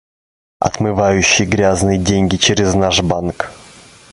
Отмывающий грязные деньги через наш банк.